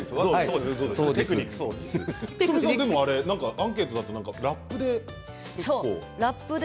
アンケートだとラップで。